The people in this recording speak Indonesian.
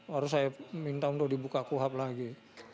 harus saya minta untuk dibuka kuhab lagi